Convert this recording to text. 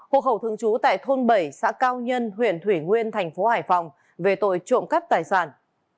hộ khẩu thường trú tại thôn bảy xã cao nhân huyện thủy nguyên thành phố hải phòng về tội trộm cắp tài sản